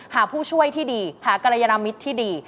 ผู้ช่วยที่ดีหากรยานมิตรที่ดี